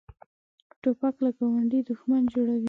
توپک له ګاونډي دښمن جوړوي.